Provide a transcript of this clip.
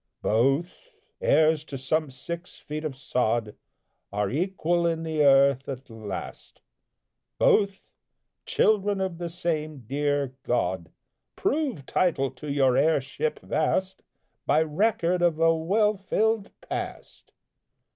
Both, heirs to some six feet of sod, Are equal in the earth at last Both, children of the same dear God. Prove title to your heirship vast, By record of a well filled past!